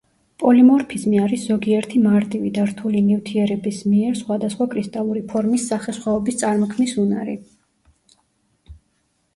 პოლიმორფიზმი არის ზოგიერთი მარტივი და რთული ნივთიერების მიერ სხვადასხვა კრისტალური ფორმის სახესხვაობის წარმოქმნის უნარი.